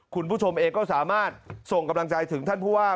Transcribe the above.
คุณผู้ชมเองก็สามารถส่งกำลังใจถึงท่านผู้ว่า